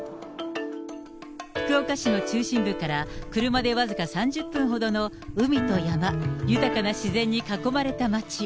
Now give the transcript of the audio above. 福岡市の中心部から、車で僅か３０分ほどの海と山、豊かな自然に囲まれた町。